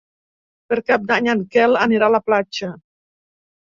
Per Cap d'Any en Quel anirà a la platja.